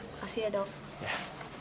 makasih ya dok